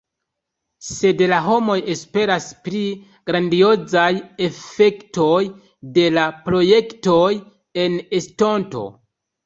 Sed la homoj esperas pri grandiozaj efektoj de la projektoj en estonto.